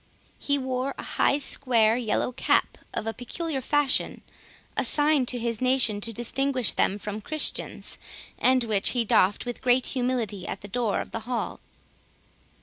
He wore a high square yellow cap of a peculiar fashion, assigned to his nation to distinguish them from Christians, and which he doffed with great humility at the door of the hall.